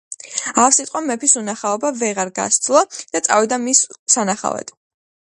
ავსიტყვამ მეფის უნახაობა ვეღარ გასძლო და წავიდა მის სანახავად.